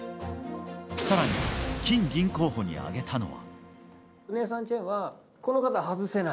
更に、金銀候補に挙げたのは。